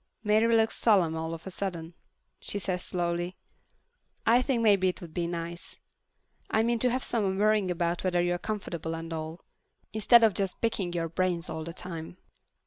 Mary looks solemn all of a sudden. She says slowly, "I think maybe it'd be nice. I mean to have someone worrying about whether you're comfortable and all. Instead of just picking your brains all the time."